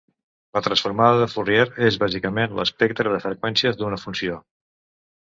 La transformada de Fourier és bàsicament l'espectre de freqüències d'una funció.